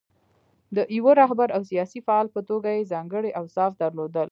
د یوه رهبر او سیاسي فعال په توګه یې ځانګړي اوصاف درلودل.